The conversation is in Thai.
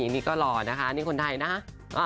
นี่ก็หล่อนะคะนี่คนไทยนะ